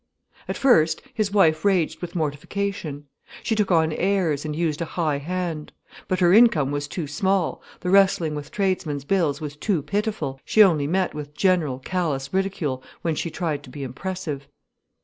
At first his wife raged with mortification. She took on airs and used a high hand. But her income was too small, the wrestling with tradesmen's bills was too pitiful, she only met with general, callous ridicule when she tried to be impressive.